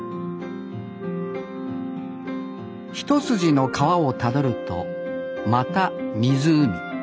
一筋の川をたどるとまた湖。